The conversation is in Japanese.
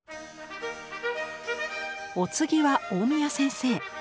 お次は大宮先生。